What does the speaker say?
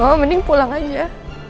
oh mending pulang aja